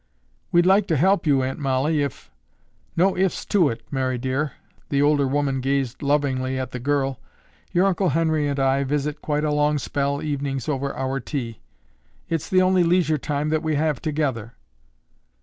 "We'd like to help you, Aunt Mollie, if—" "No 'ifs' to it, Mary dear." The older woman gazed lovingly at the girl. "Your Uncle Henry and I visit quite a long spell evenings over our tea. It's the only leisure time that we have together."